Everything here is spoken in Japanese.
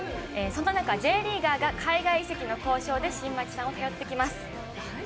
そんな中、Ｊリーガーが海外移籍について新町さんを頼ってきます。